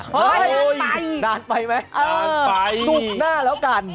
เฮ้ยนานไปนานไปไหมนานไปตุ๊ดหน้าแล้วกัน